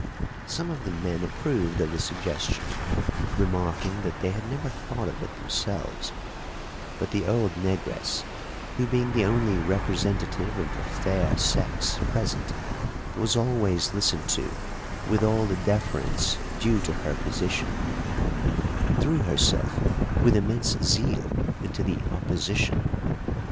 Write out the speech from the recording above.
Some of the men approved of the suggestion, remarking that they had never thought of it themselves; but the old negress, who, being the only representative of the fair sex present, was always listened to with all the deference due to her position, threw herself with immense zeal into the opposition.